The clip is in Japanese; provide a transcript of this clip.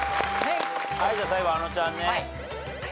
じゃあ最後あのちゃんね。